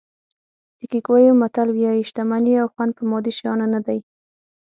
د کیکویو متل وایي شتمني او خوند په مادي شیانو نه دي.